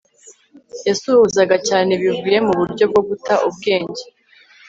Yasuhuzaga cyane bivuye muburyo bwo guta ubwenge